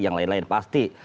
yang lain lain pasti